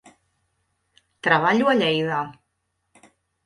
Treballo a Lleida.